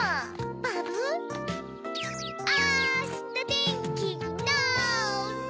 バブ？あしたてんきになれ！